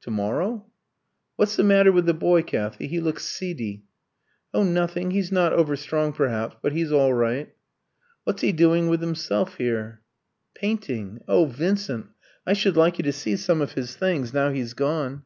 To morrow? "What's the matter with the boy, Kathy? He looks seedy." "Oh, nothing. He's not over strong, perhaps, but he's all right." "What's he doing with himself here?" "Painting. Oh, Vincent, I should like you to see some of his things, now he's gone!"